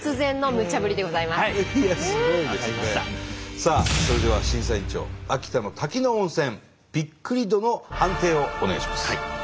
さあそれでは審査員長秋田の滝の温泉びっくり度の判定をお願いします。